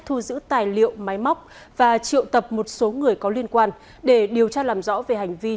thu giữ tài liệu máy móc và triệu tập một số người có liên quan để điều tra làm rõ về hành vi